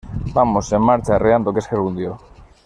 Vamos, en marcha. Arreando, que es gerundio